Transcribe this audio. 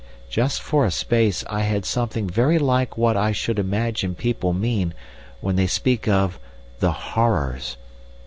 Just for a space I had something very like what I should imagine people mean when they speak of the 'horrors.